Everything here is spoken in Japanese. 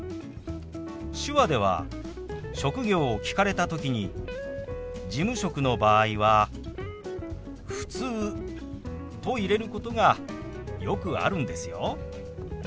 手話では職業を聞かれた時に事務職の場合は「ふつう」と入れることがよくあるんですよ。